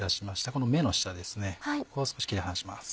ここを切り離します。